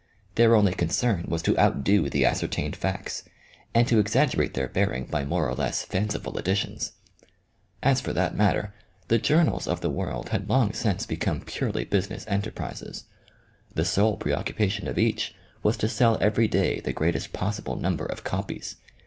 Their only concern was to outdo the ascer tained facts, and to exaggerate their bearing by more or less fanciful additions. As for that matter, the journals of the world had long since become purely business enter prises. The sole preoccupation of each was to sell every day the greatest possible number of copies.